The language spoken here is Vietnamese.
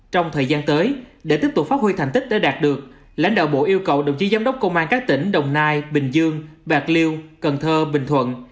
trong thời gian tới để tiếp tục phát huy thành tích đã đạt được lãnh đạo bộ yêu cầu đồng chí giám đốc công an các tỉnh đồng nai bình dương bạc liêu cần thơ bình thuận